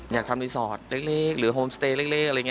อยากทำรีสอร์ทเล็กหรือโฮมสเตย์เล็กอะไรอย่างนี้